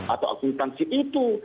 atau akuntansi itu